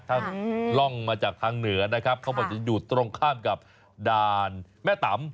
ถ้าล่องมาจากทางเหนือนะครับเขาบอกจะอยู่ตรงข้ามกับด่านแม่ตำ